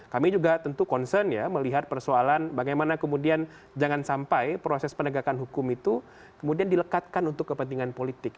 kami juga tentu concern ya melihat persoalan bagaimana kemudian jangan sampai proses penegakan hukum itu kemudian dilekatkan untuk kepentingan politik